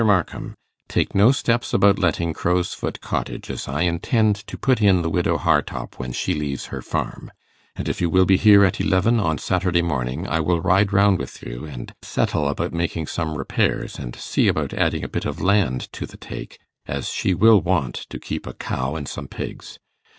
MARKHAM, Take no steps about letting Crowsfoot Cottage, as I intend to put in the widow Hartopp when she leaves her farm; and if you will be here at eleven on Saturday morning, I will ride round with you, and settle about making some repairs, and see about adding a bit of land to the take, as she will want to keep a cow and some pigs.